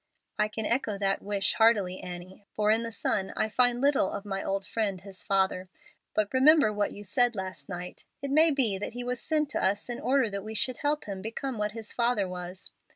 "I can echo that wish heartily, Annie, for in the son I find little of my old friend, his father. But remember what you said last night. It may be that he was sent to us in order that we should help him become what his father was."